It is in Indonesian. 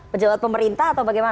pejabat pemerintah atau bagaimana